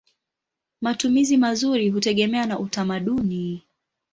Matumizi mazuri hutegemea na utamaduni.